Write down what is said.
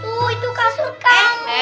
oh itu kasur kamu